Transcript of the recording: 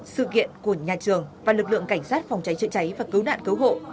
sự kiện của nhà trường và lực lượng cảnh sát phòng cháy chữa cháy và cứu nạn cứu hộ